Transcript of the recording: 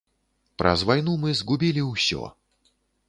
Праз вайну мы згубілі ўсё.